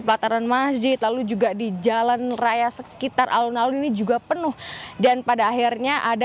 pelataran masjid lalu juga di jalan raya sekitar alun alun ini juga penuh dan pada akhirnya ada